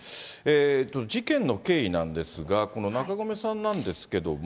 事件の経緯なんですが、この中込さんなんですけども。